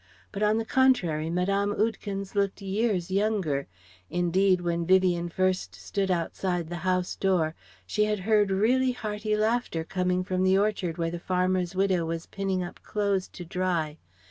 But on the contrary, Mme. Oudekens looked years younger; indeed when Vivien first stood outside the house door, she had heard really hearty laughter coming from the orchard where the farmer's widow was pinning up clothes to dry.